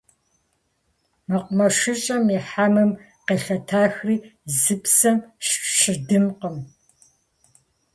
Мэкъумэшыщӏэм и хьэмым къелъэтэхри – зы псэ щыдымкъым.